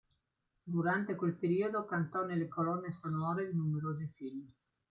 Durante quel periodo cantò nelle colonne sonore di numerosi film.